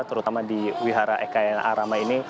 terutama di pihara ekayana arama ini